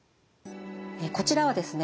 こちらはですね